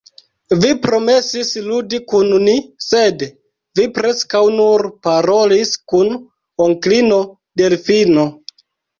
Vi promesis ludi kun ni, sed vi preskaŭ nur parolis kun onklino Delfino.